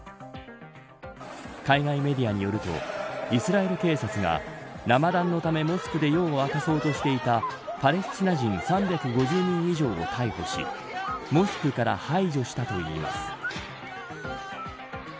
海外メディアによるとイスラエル警察がラマダンのためモスクで夜を明かそうとしていたパレスチナ人３５０人以上を逮捕しモスクから排除したといいます。